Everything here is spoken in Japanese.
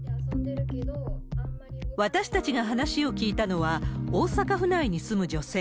私たちが話を聞いたのは、大阪府内に住む女性。